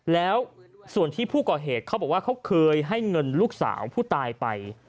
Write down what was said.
แล้วส่วนที่ผู้ก่อเหตุเขาบอกว่าเขาเคยให้เงินลูกสาวผู้ตายไป